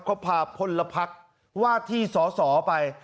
เขาพาคนละพรรคว่าที่ศศไป